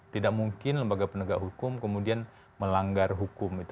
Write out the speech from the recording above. tidak mungkin lembaga penegak hukum kemudian melanggar hukum